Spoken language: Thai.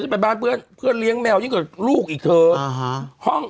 ไปบ้านเพื่อนเพื่อนเลี้ยงแมวยิ่งกว่าลูกอีกเธออ่าฮะห้อง